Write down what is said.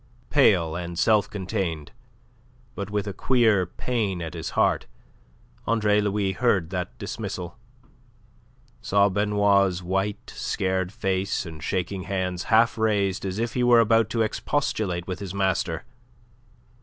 Pale and self contained, but with a queer pain at his heart, Andre Louis heard that dismissal, saw Benoit's white, scared face and shaking hands half raised as if he were about to expostulate with his master.